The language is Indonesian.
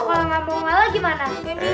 kalau gak mau malah gimana